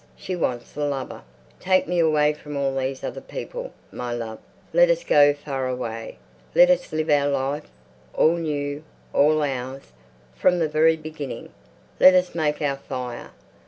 She wants a lover. "Take me away from all these other people, my love. Let us go far away. Let us live our life, all new, all ours, from the very beginning. Let us make our fire.